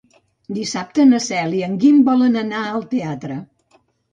Dissabte na Cel i en Guim volen anar al teatre.